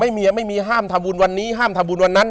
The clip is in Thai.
เมียไม่มีห้ามทำบุญวันนี้ห้ามทำบุญวันนั้น